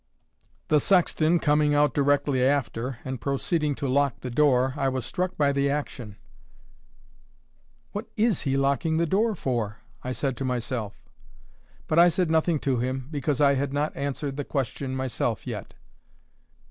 The sexton coming out directly after, and proceeding to lock the door, I was struck by the action. "What IS he locking the door for?" I said to myself. But I said nothing to him, because I had not answered the question myself yet.